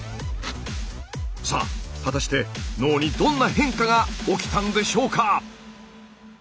さあ果たして脳にどんな変化が起きたんでしょうか？